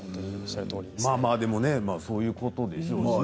まあまあ、でもそういうことでしょうね。